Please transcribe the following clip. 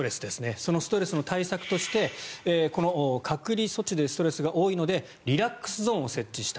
そのストレスの対策として隔離措置でストレスが多いのでリラックスゾーンを設置した。